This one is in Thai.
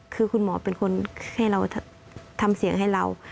คือคุณหมอเป็นคนให้เราทำเสียงให้เรา